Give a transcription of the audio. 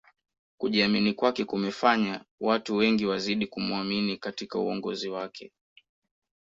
kujiamini kwake kumefanya watu wengi wazidi kumuamini katika uongozi wake